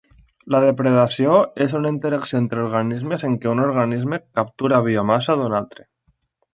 La depredació és una interacció entre organismes en què un organisme captura biomassa d'un altre.